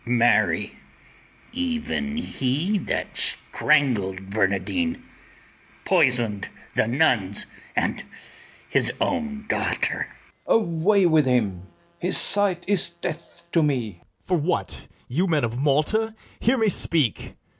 marry, even he that strangled Barnardine, poisoned the nuns and his own daughter. FERNEZE. Away with him! his sight is death to me. BARABAS. For what, you men of Malta? hear me speak.